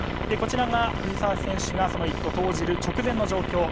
こちら、藤澤選手が１投を投じる直前の状況。